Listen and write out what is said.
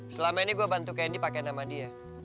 selama ini gue bantu kendi pakai nama dia